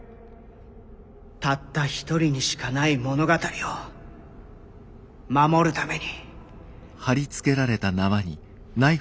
たった一人にしかない物語を守るために。